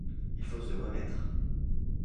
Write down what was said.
Il faut se remettre.